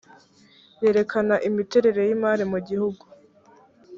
yerekana imiterere y’imari mu gihugu